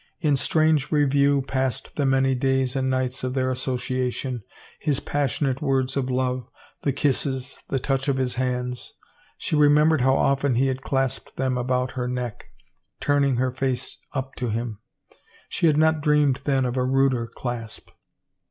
In strange review passed the many days and nights of their association — his passionate words of love, the kisses, the touch of his hands. She remembered how often he had clasped them about her neck, turning her face up to him. She had not dreamed then of a ruder clasp